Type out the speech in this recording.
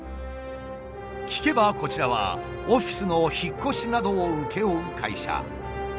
聞けばこちらはオフィスの引っ越しなどを請け負う会社。